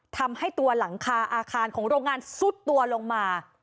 ทำให้ตัวหลังคาอาคารของโรงงานซุดตัวลงมา